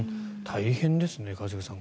大変ですね、一茂さん。